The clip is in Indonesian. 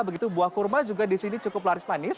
begitu buah kurma juga disini cukup laris manis